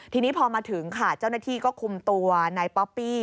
ทีนี้พอมาถึงค่ะเจ้าหน้าที่ก็คุมตัวนายป๊อปปี้